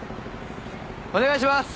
お願いします！